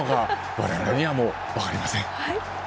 我々には分かりません。